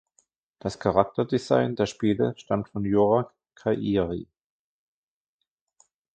Das Charakterdesign der Spiele stammt von Yura Kairi.